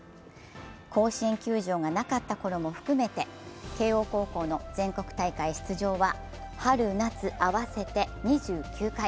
甲子園球場がなかったころも含めて慶応高校の全国大会出場は春・夏合わせて２９回。